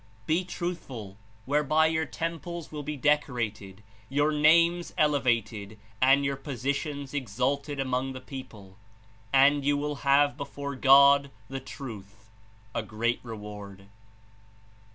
Be truthful, whereby your temples will be decorated, your names elevated and your positions exalted among the people, and you will have before God, the Truth, a great reward."